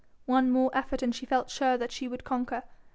One more effort and she felt sure that she would conquer.